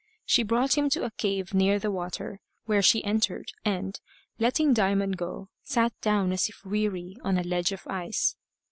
She brought him to a cave near the water, where she entered, and, letting Diamond go, sat down as if weary on a ledge of ice.